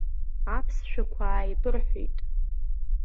Аԥсшәақәа ааибырҳәеит.